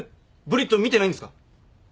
『ブリット』見てないんですか？